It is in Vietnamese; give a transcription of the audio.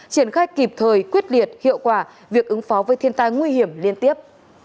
triển khai kịp thời quyết liệt hiệu quả việc ứng phó với thiên tai nguy hiểm liên tiếp